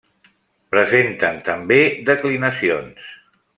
Presenten també declinacions.